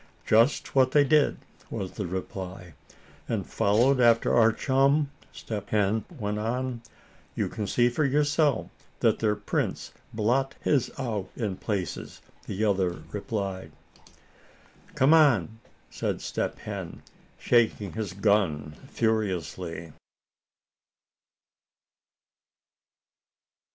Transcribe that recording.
"Just what they did," was the reply. "And followed after our chum?" Step Hen went on. "You can see for yourself that their prints blot his out in places," the other replied. "Come on!" said Step Hen, shaking his gun furiously.